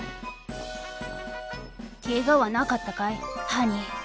ケガはなかったかいハニー。